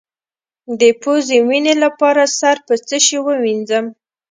د پوزې وینې لپاره سر په څه شي ووینځم؟